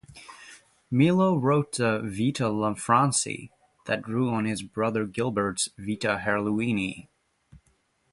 Milo wrote the "Vita Lanfranci" that drew on his brother Gilbert's "Vita Herluini".